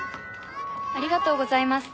ありがとうございます。